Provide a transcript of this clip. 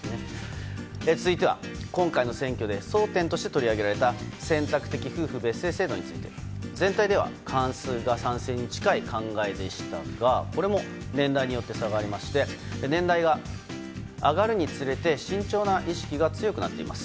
続いては、今回の選挙で争点として取り上げられた選択的夫婦別姓制度について全体では過半数が賛成に近い考えでしたがこれも年代によって差がありまして年代が上がるにつれて慎重な意識が強くなっています。